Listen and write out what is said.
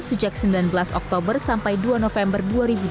sejak sembilan belas oktober sampai dua november dua ribu dua puluh